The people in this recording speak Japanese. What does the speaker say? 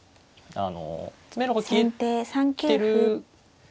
あの。